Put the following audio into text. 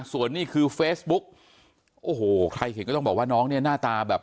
ส่วนนี้คือเฟซบุ๊กโอ้โหใครเห็นก็ต้องบอกว่าน้องเนี่ยหน้าตาแบบ